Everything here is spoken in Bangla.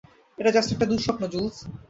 এটা জাস্ট একটা দুঃস্বপ্ন, জুলস।